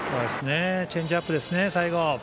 チェンジアップですね最後。